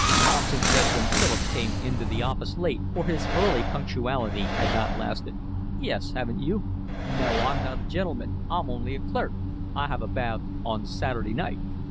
Thompson said when Philip came to the office late, for his early punctuality had not lasted. "Yes, haven't you?" "No, I'm not a gentleman, I'm only a clerk. I have a bath on Saturday night."